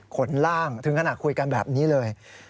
คนล่างถึงขนาดคุยกันแบบนี้เลย